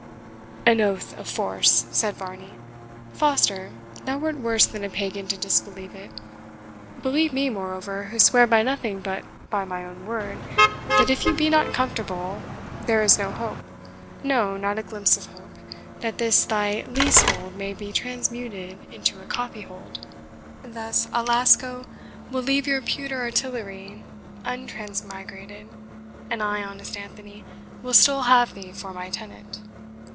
"An oath of force," said Varney. "Foster, thou wert worse than a pagan to disbelieve it. Believe me, moreover, who swear by nothing but by my own word, that if you be not conformable, there is no hope, no, not a glimpse of hope, that this thy leasehold may be transmuted into a copyhold. Thus, Alasco will leave your pewter artillery untransmigrated, and I, honest Anthony, will still have thee for my tenant."